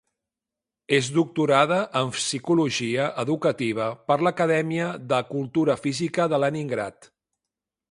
És doctorada en psicologia educativa per l'acadèmia de cultura física de Leningrad.